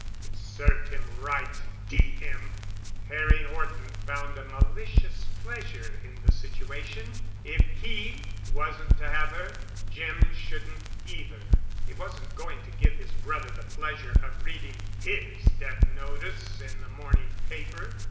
"It served him right—D—n him!" Harry Horton found a malicious pleasure in the situation. If he wasn't to have her, Jim shouldn't either. He wasn't going to give his brother the pleasure of reading his death notice in the morning paper.